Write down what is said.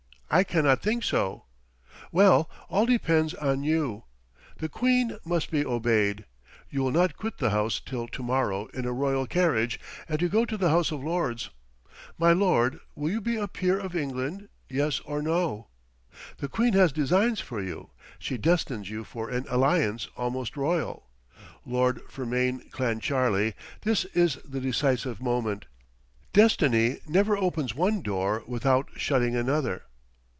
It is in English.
I cannot think so. Well, all depends on you. The queen must be obeyed. You will not quit the house till to morrow in a royal carriage, and to go to the House of Lords. My lord, will you be a peer of England; yes or no? The queen has designs for you. She destines you for an alliance almost royal. Lord Fermain Clancharlie, this is the decisive moment. Destiny never opens one door without shutting another.